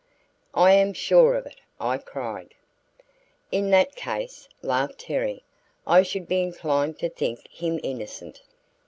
"I am sure of it," I cried. "In that case," laughed Terry, "I should be inclined to think him innocent."